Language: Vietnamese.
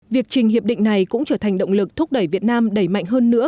việc trình hiệp định này cũng trở thành động lực thúc đẩy việt nam đẩy mạnh hơn nữa